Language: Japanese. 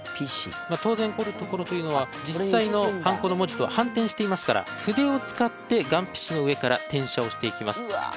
当然彫るところというのは実際のハンコの文字とは反転していますから筆を使ってがん皮紙の上から転写をしていきます。